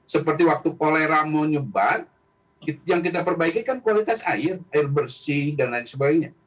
seperti waktu kolera menyebar yang kita perbaiki kan kualitas air air bersih dan lain sebagainya